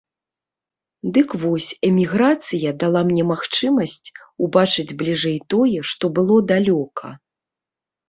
Дык вось, эміграцыя дала мне магчымасць убачыць бліжэй тое, што было далёка.